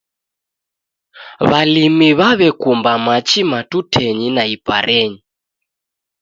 W'alimi w'aw'ekumba machi matutenyi na iparenyi